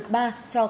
cho các khách hàng